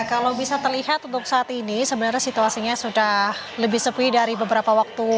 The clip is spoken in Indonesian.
kalau bisa terlihat untuk saat ini sebenarnya situasinya sudah lebih sepi dari beberapa waktu